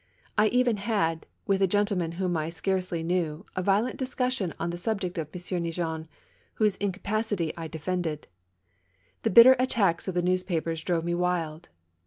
I even had, with a gentleman whom I scarcely knew, a violent discussion on the subject of M. Neigeon, whose incapacity I defended. The bitter attacks of the news papers drove me wild.